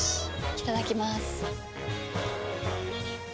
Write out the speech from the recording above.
いただきまーす。